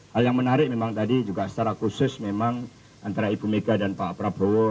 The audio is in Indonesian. hal yang menarik memang tadi juga secara khusus memang antara ibu mega dan pak prabowo